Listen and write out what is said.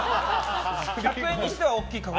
１００円にしては大きいかご。